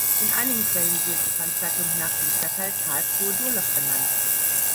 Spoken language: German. In einigen Quellen wird die Veranstaltung nach dem Stadtteil "Karlsruhe-Durlach" benannt.